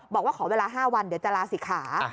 บอกว่าขอเวลา๕วันเดี๋ยวจะลาศิกขา